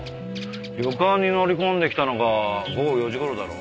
旅館に乗り込んできたのが午後４時頃だろ？